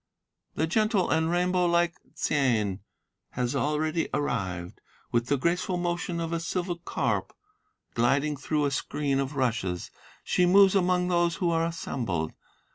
"The gentle and rainbow like Ts'ain has already arrived, With the graceful motion of a silver carp gliding through a screen of rushes, she moves among those who are assembled.